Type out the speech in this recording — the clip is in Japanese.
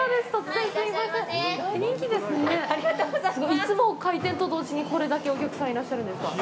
いつも開店と同時にこれだけお客さんがいらっしゃるんですか。